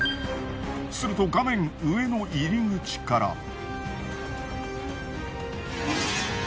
すると画面上の入り口から。